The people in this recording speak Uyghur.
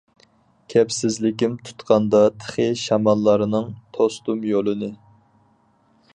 كەپسىزلىكىم تۇتقاندا تېخى شاماللارنىڭ توستۇم يولىنى.